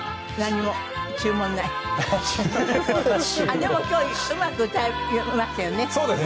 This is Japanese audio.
でも今日うまく歌えましたよね。